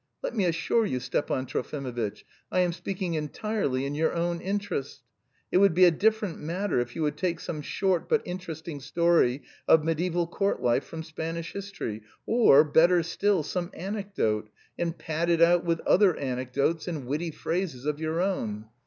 Let me assure you, Stepan Trofimovitch, I am speaking entirely in your own interest. It would be a different matter if you would take some short but interesting story of mediæval court life from Spanish history, or, better still, some anecdote, and pad it out with other anecdotes and witty phrases of your own.